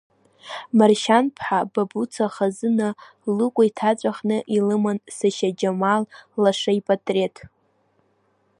Маршьанԥҳа Бабуца хазына лыкәа иҭаҵәахны илыман сашьа Џьамал лаша ипатреҭ.